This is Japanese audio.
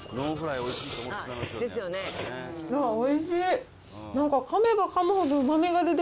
おいしい。